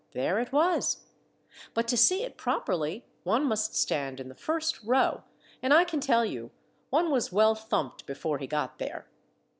There it was ! But to see it properly one must stand in the first row; and I can tell you, one was well thumped before he got there.